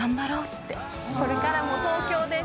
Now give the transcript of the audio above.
これからも東京でって。